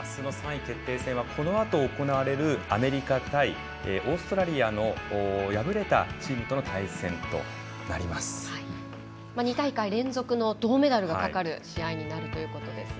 あすの３位決定戦はこのあと行われるアメリカ対オーストラリアの敗れたチームとの２大会連続の銅メダルのかかる試合になるということですね。